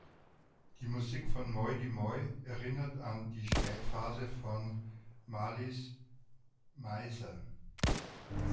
Die Musik von Moi dix Mois erinnert an die Spätphase von Malice Mizer.